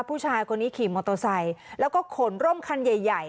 ผู้ชายคนนี้ขี่มอเตอร์ไซค์แล้วก็ขนร่มคันใหญ่ใหญ่